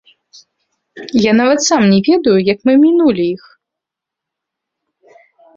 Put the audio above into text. Я нават сам не ведаю, як мы мінулі іх.